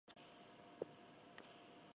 北海道泊村